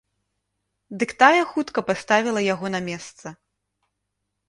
Дык тая хутка паставіла яго на месца.